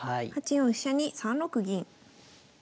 ８四飛車に３六銀。